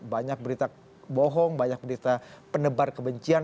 banyak berita bohong banyak berita penebar kebencian